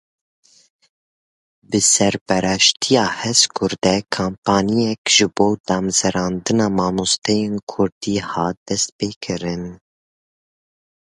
Bi serpereştiya HezKurdê kampanyayek ji bo damezrandina mamosteyên Kurdî hat destpêkirin.